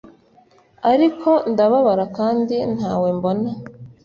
Ariko ndababara kandi ntawe mbona